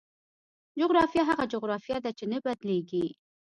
جغرافیه هغه جغرافیه ده چې نه بدلېږي.